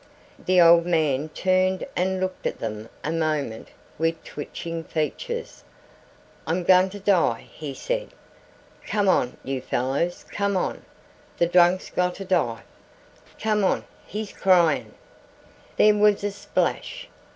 The old man turned and looked at them a moment with twitching features. "I'm gonter die," he said. "Come on, you fellers come on the drunk's gonter dive come on he's cryin'!" There was a splash.